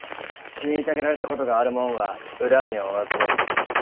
虐げられたことがある者は恨みを忘れん。